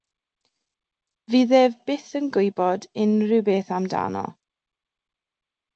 Fydd ef byth yn gwybod unrhyw beth amdano.